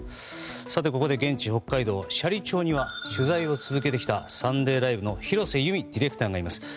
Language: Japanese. ここで現地北海道斜里町には取材を続けてきた「サンデーＬＩＶＥ！！」の廣瀬祐美ディレクターがいます。